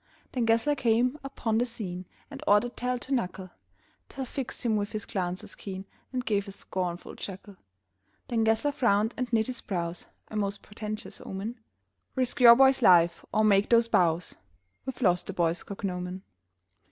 Then Gessler came upon the scene And ordered Tell to knuckle; Tell fixed him with his glances keen And gave a scornful chuckle. Then Gessler frowned and knit his brows (A most portentous omen); "Risk your boy's life or make those bows!" (We've lost the boy's cognomen.)